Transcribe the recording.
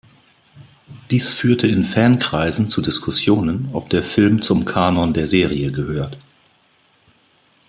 Dies führte in Fankreisen zu Diskussionen, ob der Film zum Kanon der Serie gehört.